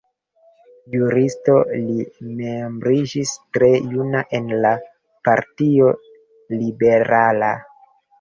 Juristo, li membriĝis tre juna en la Partio Liberala.